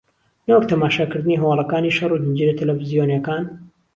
نەوەک تەماشاکردنی هەواڵەکانی شەڕ و زنجیرە تەلەفزیۆنییەکان